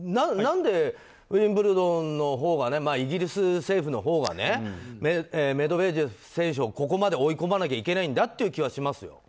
何でウィンブルドンのほうがイギリス政府のほうがメドベージェフ選手をここまで追い込まないといけないんだという気はしますよ。